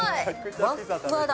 ふわっふわだ。